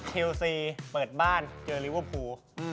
เชลซีเปิดบ้านเจอลิเวอร์พูล